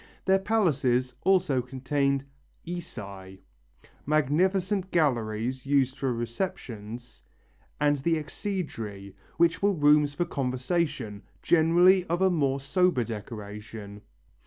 Their palaces also contained Oeci, magnificent galleries used for receptions, and the Exhedræ, which were rooms for conversation, generally of a more sober decoration.